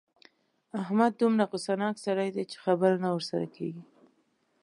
احمد دومره غوسناک سړی دی چې خبره نه ورسره کېږي.